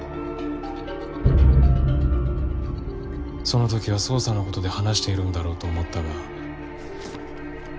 その時は捜査のことで話しているんだろうと思ったが。